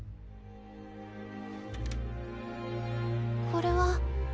これは。